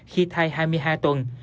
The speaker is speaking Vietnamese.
khi thai hai mươi hai tuần